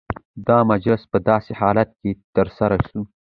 دا مجلس په داسي حال کي ترسره سو،